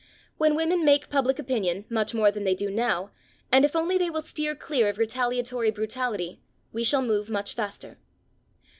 When women make public opinion much more than they do now, and if only they will steer clear of retaliatory brutality, we shall move much faster.